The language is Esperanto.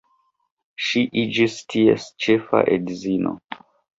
Ŝi iĝis ties ĉefa edzino.